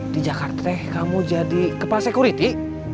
di jakarta kamu jadi kepala security